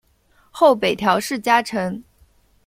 后北条氏家臣。